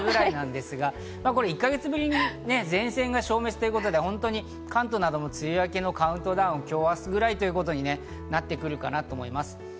１か月ぶりに前線が消滅ということで、関東でも梅雨明けカウントダウンということになってくるかなと思います。